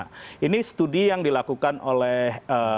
jadi studi yang dilakukan oleh